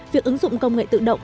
việc ứng dụng công nghệ tự động